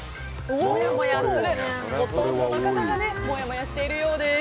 ほとんどの方がもやもやしているようです。